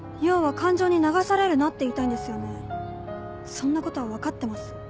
そんなことは分かってます。